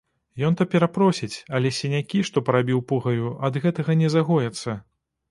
Ён то перапросіць, але сінякі, што парабіў пугаю, ад гэтага не загояцца.